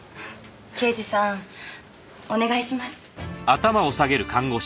刑事さんお願いします。